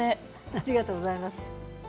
ありがとうございます。